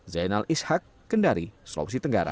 zainal ishak kendari sulawesi tenggara